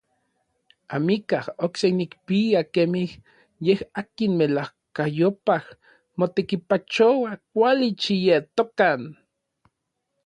Amikaj okse nikpia kemij n yej akin melajkayopaj motekipachoua kuali xietokan.